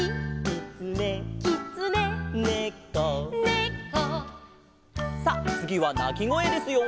「ねこ」さあつぎはなきごえですよ！